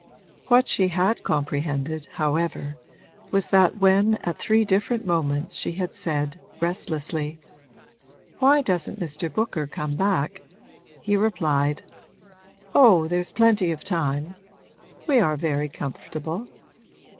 What she had comprehended, however, was that when at three different moments she had said, restlessly, 'Why doesn't Mr. Booker come back?' he replied, 'Oh, there's plenty of time we are very comfortable.'